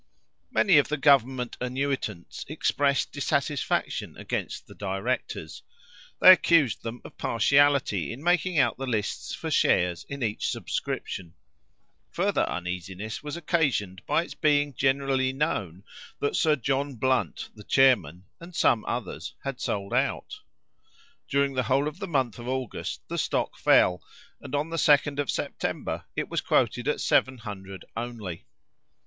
Many of the government annuitants expressed dissatisfaction against the directors. They accused them of partiality in making out the lists for shares in each subscription. Further uneasiness was occasioned by its being generally known that Sir John Blunt the chairman, and some others, had sold out. During the whole of the month of August the stock fell, and on the 2d of September it was quoted at seven hundred only.